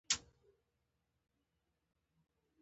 د بکس په ټرمینل کې د فاز سیم نښلول د فیوزونو له لارې کېږي.